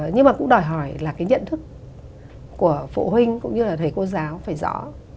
nhưng mà cũng đòi hỏi là cái nhận thức của phụ huynh cũng như là thầy cô giáo phải rõ